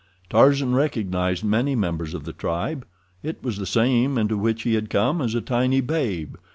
Tarzan recognized many members of the tribe. It was the same into which he had come as a tiny babe.